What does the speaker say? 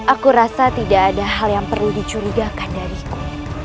aku rasa tidak ada hal yang perlu dicurigakan dariku